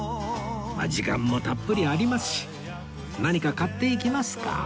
まあ時間もたっぷりありますし何か買っていきますか